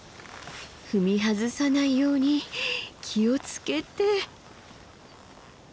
踏み外さないように気を付けて。